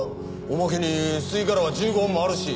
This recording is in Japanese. おまけに吸い殻は１５本もあるし。